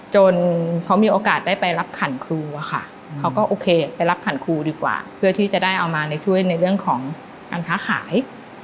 จนเขามีโอกาสได้ไปรับขันครูอะค่ะเขาก็โอเคไปรับขันครูดีกว่าเพื่อที่จะได้เอามาช่วยในเรื่องของการค้าขาย